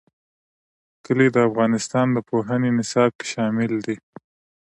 کلي د افغانستان د پوهنې نصاب کې شامل دي.